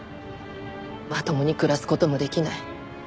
まともに暮らす事もできない。